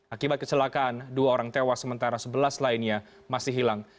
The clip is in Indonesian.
akibat kecelakaan dua orang tewas sementara sebelas lainnya masih hilang